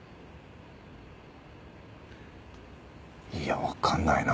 いやわかんないな